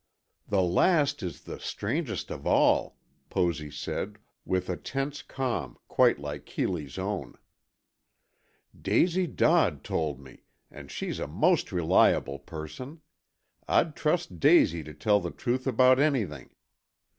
"The last is the strangest of all," Posy said, with a tense calm, quite like Keeley's own. "Daisy Dodd told me, and she's a most reliable person. I'd trust Daisy to tell the truth about anything!